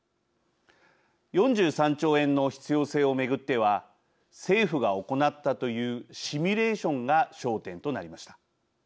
４３兆円の必要性を巡っては政府が行ったというシミュレーションが焦点となりました。